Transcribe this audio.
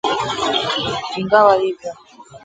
Ingawa hivyo